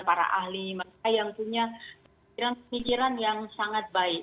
para ahli mereka yang punya pemikiran pemikiran yang sangat baik